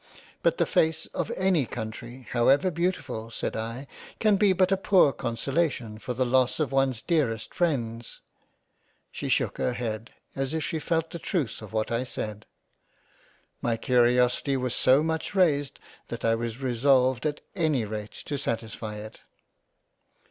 " But the face of any Country however beautiful said I, can be but a poor consolation for the loss of one's dearest Freinds." She shook her head, as if she felt the truth of what I said. My Curiosity was so much raised, that I was resolved at any rate to satisfy it.